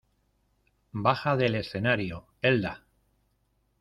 ¡Baja del escenario, Elda!